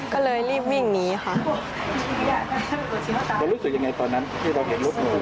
ก็เลยรีบวิ่งหนีค่ะ